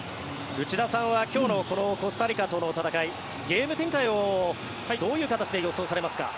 内田さんは今日のこのコスタリカとの戦いゲーム展開をどういう形で予想されますか？